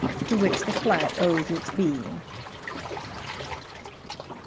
(To which the flat owes its being.)